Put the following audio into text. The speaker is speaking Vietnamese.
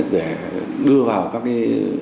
để đưa vào các cái